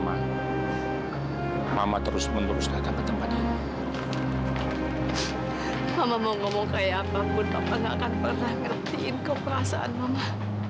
mama nggak akan pernah ngertiin keperasaan mama